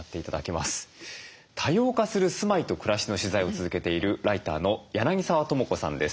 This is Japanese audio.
多様化する住まいと暮らしの取材を続けているライターの柳澤智子さんです。